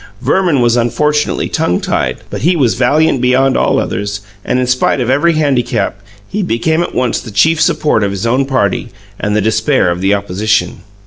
Verman was unfortunately tongue tied, but he was valiant beyond all others, and, in spite of every handicap, he became at once the chief support of his own party and the despair of the opposition.